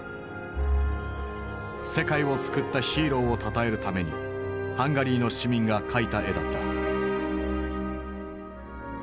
世界を救ったヒーローをたたえるためにハンガリーの市民が描いた絵だった。